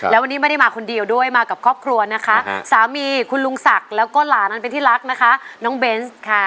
แล้ววันนี้ไม่ได้มาคนเดียวด้วยมากับครอบครัวนะคะสามีคุณลุงศักดิ์แล้วก็หลานอันเป็นที่รักนะคะน้องเบนส์ค่ะ